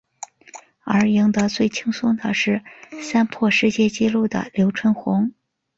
而赢得最轻松的是三破世界纪录的刘春红。